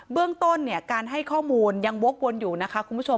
เรื่องต้นเนี่ยการให้ข้อมูลยังวกวนอยู่นะคะคุณผู้ชม